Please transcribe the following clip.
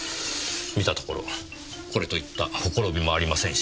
見たところこれといったほころびもありません